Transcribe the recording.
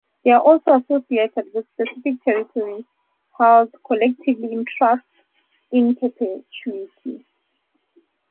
They are associated with specific territories held collectively in trust in perpetuity.